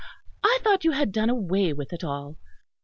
I thought you had done away with it all."